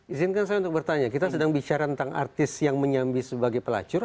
izinkan saya untuk bertanya kita sedang bicara tentang artis yang menyambi sebagai pelacur